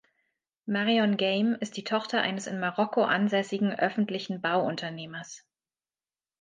Marion Game ist die Tochter eines in Marokko ansässigen öffentlichen Bauunternehmers.